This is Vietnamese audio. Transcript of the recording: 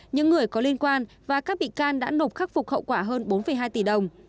những người có liên quan và các bị can đã nộp khắc phục hậu quả hơn bốn hai tỷ đồng